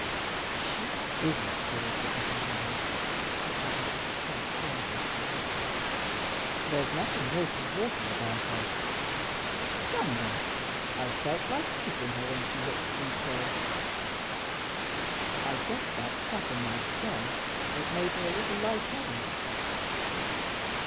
She IS a spirited little woman," he added, with a sharp change in soliloquy. "There's nothing milk and water about her. Thunder! I felt like kissing her when she looked at me so. I guess that crack on my skull has made me a little light headed."